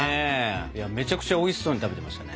めちゃくちゃおいしそうに食べてましたね。